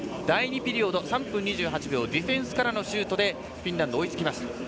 第２ピリオド、３分２８秒ディフェンスからのシュートでフィンランドは追いつきました。